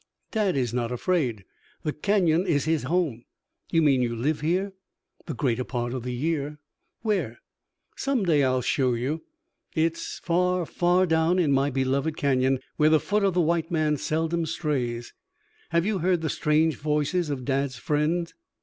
"Dad is not afraid. The Canyon is his home " "You mean you live here?" "The greater part of the year." "Where?" "Some day I will show you. It is far, far down in my beloved Canyon, where the foot of the white man seldom strays. Have you heard the strange voices of Dad's friend?"